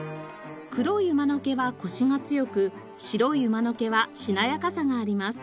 黒い馬の毛はコシが強く白い馬の毛はしなやかさがあります。